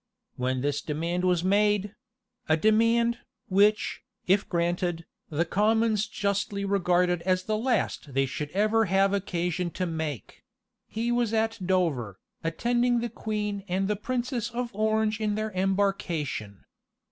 When this demand was made, a demand, which, if granted, the commons justly regarded as the last they should ever have occasion to make, he was at Dover, attending the queen and the princess of Orange in their embarkation.